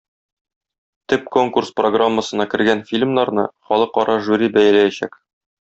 Төп конкурс программасына кергән фильмнарны халыкара жюри бәяләячәк.